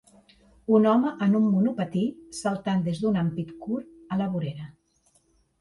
Un home en un monopatí saltant des d'un ampit curt a la vorera.